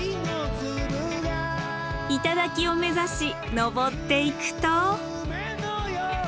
頂を目指し登っていくと。